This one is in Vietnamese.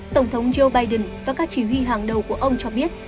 tổng thống joe biden và các chỉ huy hàng đầu của ông cho biết